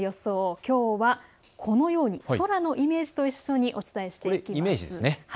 きょうは、このように空のイメージと一緒にお伝えしていきます。